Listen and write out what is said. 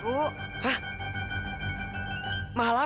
bu ya udah ini bu